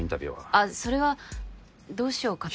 あっそれはどうしようかと。